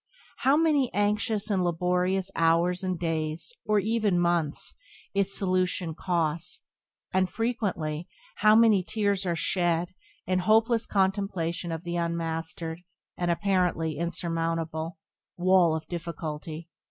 How many anxious and laborious hours and days, or even months, its solution costs; and, frequently, how many tears are shed in hopeless contemplation of the unmastered, and apparently insurmountable, wall of difficulty!